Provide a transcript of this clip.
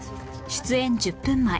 出演１０分前